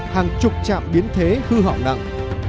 hàng chục trạm biến thế hư hỏng nặng